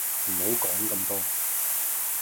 唔好講咁多